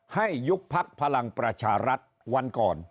ให้ยุคพักภาลังประชารักษ์วันก่อน